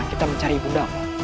di antara kita